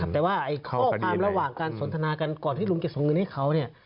แต่ว่าข้อความระหว่างการสนทนากันก่อนที่ลุงจะส่งเงินให้เขา